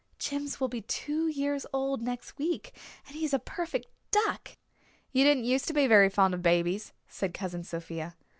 Jims will be two years old next week and he is a perfect duck." "You didn't used to be very fond of babies," said Cousin Sophia.